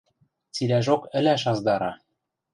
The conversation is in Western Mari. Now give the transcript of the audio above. Цилӓжок ӹлӓш аздара...